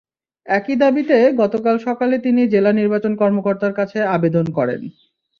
একই দাবিতে গতকাল সকালে তিনি জেলা নির্বাচন কর্মকর্তার কাছে আবেদন করেন।